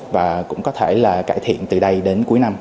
và cũng có thể là cải thiện từ đây đến cuối năm